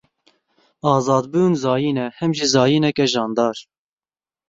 Azadbûn zayîn e; hem jî zayîneke jandar.